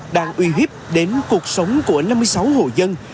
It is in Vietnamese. đang uy hiếp đến cuộc sống của năm mươi sáu hộ dân